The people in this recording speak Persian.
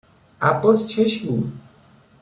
عباس چش بود؟